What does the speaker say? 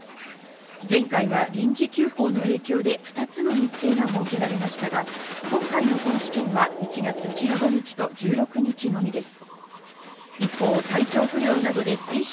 前回は臨時休校の影響で２つの日程が設けられましたが今回の本試験は１月１５日と１６日のみです。